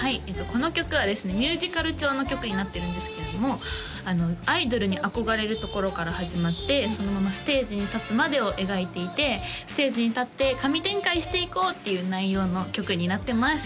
この曲はですねミュージカル調の曲になってるんですけれどもアイドルに憧れるところから始まってそのままステージに立つまでを描いていてステージに立って神展開していこうっていう内容の曲になってます